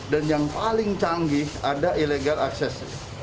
dan yang paling canggih ada ilegal akses